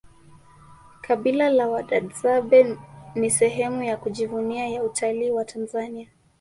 kabila la wadadzabe ni sehemu ya kujivunia ya utalii wa tanzania